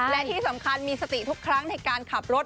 และที่สำคัญมีสติทุกครั้งในการขับรถ